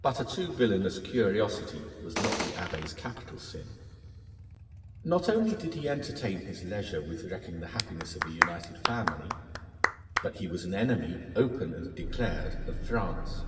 But a too villainous curiosity was not the Abbé's capital sin. Not only did he entertain his leisure with wrecking the happiness of a united family, but he was an enemy open and declared of France.